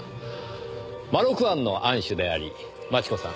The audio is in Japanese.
まろく庵の庵主であり真智子さん